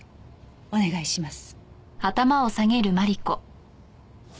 お願いします。